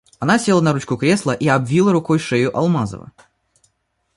Она села на ручку кресла и обвила рукой шею Алмазова.